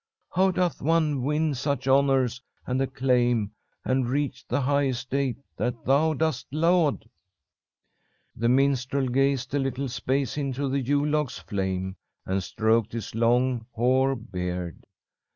How doth one win such honours and acclaim and reach the high estate that thou dost laud?' "The minstrel gazed a little space into the Yule log's flame, and stroked his long hoar beard.